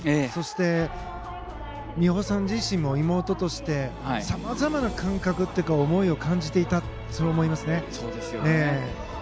そして、美帆さん自身も妹としてさまざまな感覚というか思いを感じていたと思いますね。